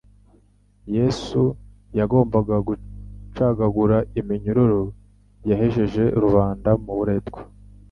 Yesu yagombaga gucagagura iminyururu yahejeje rubanda mu buretwa,